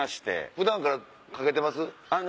普段から掛けてます？